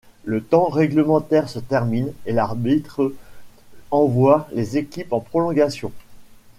Le temps réglementaire se termine, et l'arbitre envoie les équipes en prolongation.